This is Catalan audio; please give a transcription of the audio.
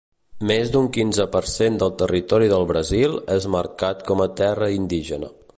Més d’un quinze per cent del territori del Brasil és marcat com a terra indígena.